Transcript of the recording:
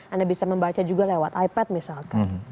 anda bisa membaca juga lewat ipad misalkan